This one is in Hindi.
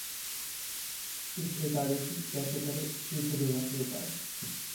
इस एकादशी कैसे करें शीघ्र विवाह के उपाय